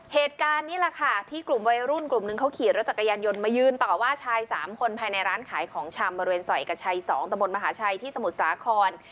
เหตุการณ์นี้แหละค่ะที่กลุ่มวัยรุ่นกลุ่มนึงเขาขี่รถจักรยานยนต์มายืนต่อว่าชาย๓คนภายในร้านขายของชำบริเวณซอยเอกชัย๒ตะบนมหาชัยที่สมุทรสาคร